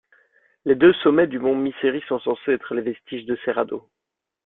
Les deux sommets du Mont Misery sont censés être les vestiges de ses radeaux.